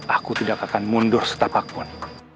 aku tidak akan mundur setapak pun